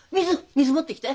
水持ってきて！